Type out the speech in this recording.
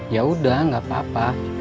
ya udah gak apa apa